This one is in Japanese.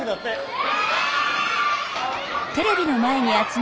え！